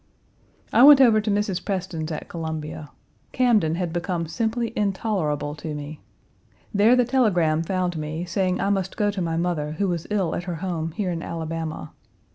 I went over to Mrs. Preston's at Columbia. Camden had become simply intolerable to me. There the telegram found me, saying I must go to my mother, who was ill at her home here in Alabama.